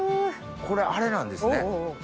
これあれなんですね。